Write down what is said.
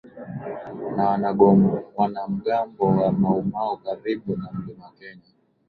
na wanamgambo wa Maumau karibu na Mlima Kenya